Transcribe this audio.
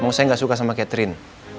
emang saya gak suka sama catherine